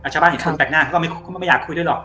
ชาวบ้านเห็นคนแปลกหน้าเขาก็ไม่อยากคุยด้วยหรอก